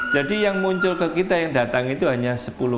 yang muncul ke kita yang datang itu hanya sepuluh